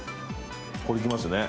これいきますね。